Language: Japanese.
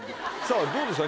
どうですか？